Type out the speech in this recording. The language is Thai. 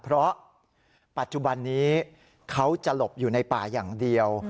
เพราะปัจจุบันนี้เขาจะหลบอยู่ในป่าอย่างเดียว